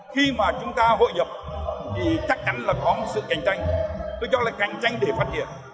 khi mà chúng ta hội nhập thì chắc chắn là có một sự cạnh tranh tôi cho là cạnh tranh để phát triển